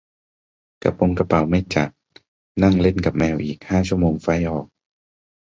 กระป๋งกระเป๋าไม่จัด นั่งเล่นกับแมวอีกห้าชั่วโมงไฟลท์ออก